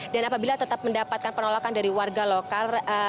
dan apabila tetap mendapatkan penolakan dari warga lokal